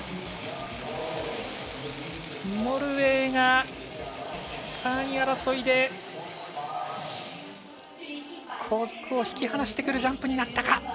ノルウェーが３位争いで後続を引き離してくるジャンプになったか。